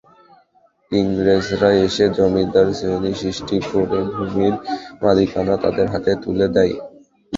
ইংরেজরা এসে জমিদার শ্রেণি সৃষ্টি করে ভূমির মালিকানা তাদের হাতে তুলে দেয়।